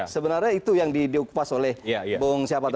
sebenarnya itu yang diukupas oleh bung siapa tadi